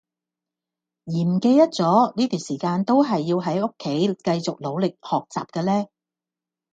而唔記得咗呢段時間都係要喺屋企繼續努力學習嘅呢